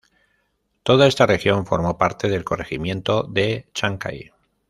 Toda esa región formó parte del Corregimiento de Chancay.